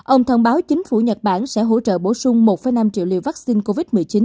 ông thông báo chính phủ nhật bản sẽ hỗ trợ bổ sung một năm triệu liều vaccine covid một mươi chín